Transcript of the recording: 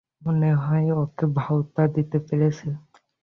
মনে হয় ওকে ভাঁওতা দিতে পেরেছি।